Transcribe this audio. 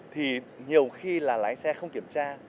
thì nhiều khi là lái xe không kiểm tra